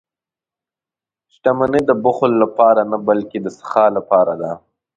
• شتمني د بخل لپاره نه، بلکې د سخا لپاره ده.